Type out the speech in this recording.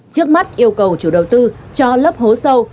trước mắt yêu cầu chủ đầu tư cho lớp hố sâu